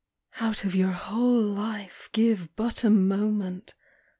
NOW Out of your whole life give but a moment!